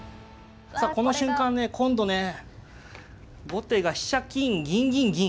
さあこの瞬間ね今度ね後手が飛車金銀銀銀。